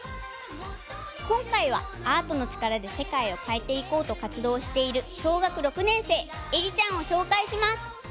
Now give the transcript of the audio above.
こんかいはアートのちからでせかいをかえていこうとかつどうしているしょうがく６ねんせいえりちゃんをしょうかいします！